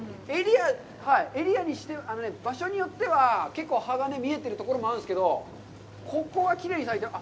エリア、場所によっては、結構葉が見えてるところもあるんですけど、ここはきれいに咲いている。